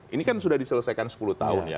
ini kan sudah diselesaikan sepuluh tahun ya